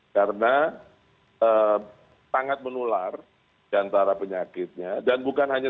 karena sangat menular antara penyakitnya dan bukan hanya